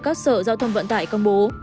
các sở giao thông vận tải công bố